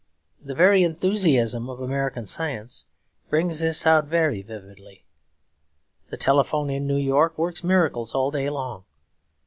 The very enthusiasm of American science brings this out very vividly. The telephone in New York works miracles all day long.